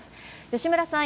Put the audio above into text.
吉村さん